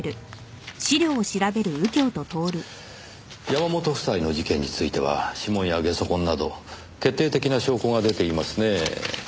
山本夫妻の事件については指紋やゲソ痕など決定的な証拠が出ていますねぇ。